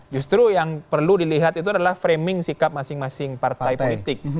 justru yang perlu dilihat itu adalah framing sikap masing masing partai politik